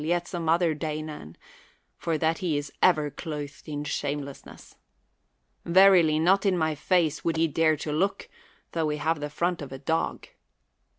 yet some otb.er Danaan, for that he is over clothed in shanielessness. Verily not in my face would he dare to look, tho he have the front of a dog.